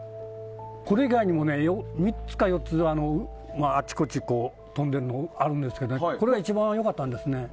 これ以外にも３つか４つあちこち飛んでるのがあるんですけどこれが一番良かったんですね。